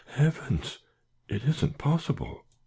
"Heavens! it isn't possible?"